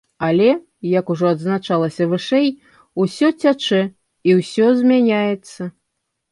Але, як ужо адзначалася вышэй, усё цячэ, і ўсё змяняецца.